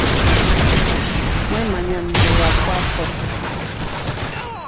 Mwemanya mndu akuafo.